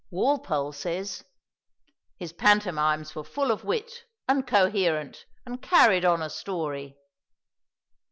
Walpole says, "His pantomimes were full of wit, and coherent, and carried on a story."